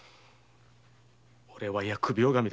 オレは疫病神だ。